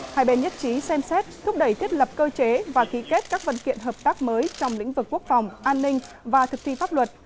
hai bên nhất trí xem xét thúc đẩy thiết lập cơ chế và ký kết các vấn kiện hợp tác mới trong lĩnh vực quốc phòng an ninh và thực thi pháp luật